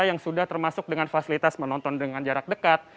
yang sudah termasuk dengan fasilitas menonton dengan jarak dekat